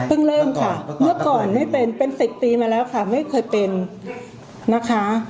เริ่มค่ะเมื่อก่อนไม่เป็นเป็น๑๐ปีมาแล้วค่ะไม่เคยเป็นนะคะ